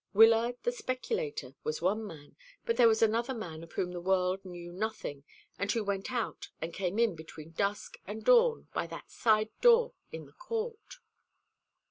"Wyllard, the speculator, was one man; but there was another man of whom the world knew nothing, and who went out and came in between dusk and dawn by that side door in the court."